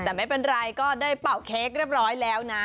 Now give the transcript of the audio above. แต่ไม่เป็นไรก็ได้เป่าเค้กเรียบร้อยแล้วนะ